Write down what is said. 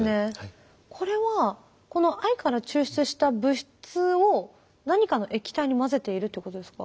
これは藍から抽出した物質を何かの液体に混ぜているっていうことですか？